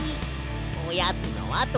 おやつのあとでな！